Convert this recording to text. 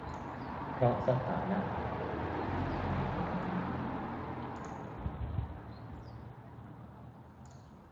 เพราะสถานะทางสังคมของ ศิลป์ พีระศรี รึเปล่า การทำงานตามหน้าที่ เพื่อดำรงโครงสร้างสังคมเดิม